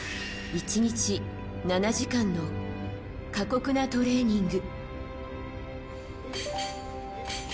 １日７時間の過酷なトレーニング。